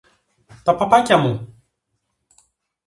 Τα παπάκια μου!